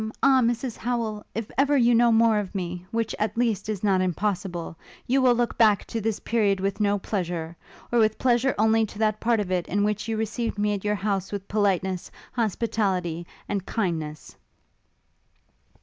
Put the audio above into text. ah, Mrs Howel! if ever you know more of me which, at least, is not impossible, you will look back to this period with no pleasure! or with pleasure only to that part of it, in which you received me at your house with politeness, hospitality, and kindness!'